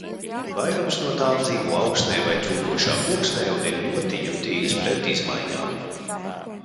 Vairums no tām dzīvo augsnē vai trūdošā koksnē un ir ļoti jutīgas pret izmaiņām.